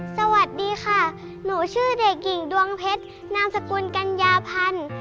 สวัสดีค่ะหนูชื่อเด็กหญิงดวงเพชรนามสกุลกัญญาพันธ์